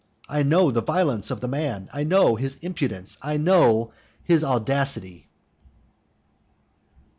I know the violence of the man, I know his impudence, I know his audacity.